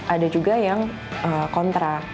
ada juga yang kontra